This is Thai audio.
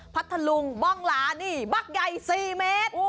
พัทธลุงบ้องหลานี่บักใหญ่๔เมตร